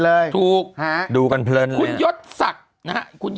คนนี้เขารับจ้างมาใช้หนังให้ผีดูกล่าวว่าตัวเองได้รับจ้างให้ไปใช้หนังกลางแปลงให้ผีไร้ญาติดูมาแล้ว